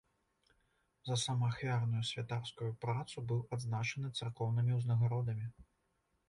За самаахвярную святарскую працу быў адзначаны царкоўнымі ўзнагародамі.